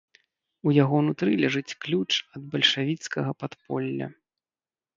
У яго нутры ляжыць ключ ад бальшавіцкага падполля.